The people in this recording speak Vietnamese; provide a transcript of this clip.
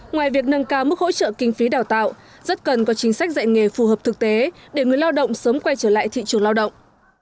ngoài việc nâng cao mức hỗ trợ kinh phí đào tạo rất cần có chính sách dạy nghề phù hợp thực tế để người lao động sớm quay trở lại thị trường lao động